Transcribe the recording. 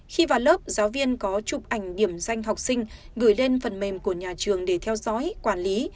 khi vào lớp giáo viên có chụp ảnh điểm danh học sinh gửi lên phần mềm của nhà trường để theo dõi quản lý